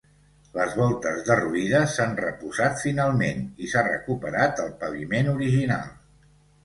Les voltes derruïdes, s'han reposat finalment i s'ha recuperat el paviment original.